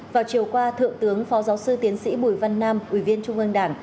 vào chiều qua thượng tướng phó giáo sư tiến sĩ bùi văn nam ủy viên trung ương đảng